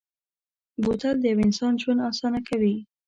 بوتل د یو انسان ژوند اسانه کوي.